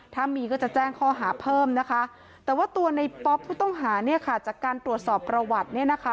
ถ้ามีก็จะแจ้งข้อหาเพิ่มแต่ว่าตัวในป๊อบผู้ต้องหาจากการตรวจสอบประวัติ